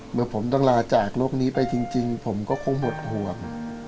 เมื่อผมต้องลาจากโลกนี้ไปจริงผมก็คงหมดห่วง